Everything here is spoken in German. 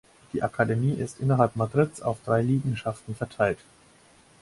Die Akademie ist innerhalb Madrids auf drei Liegenschaften verteilt.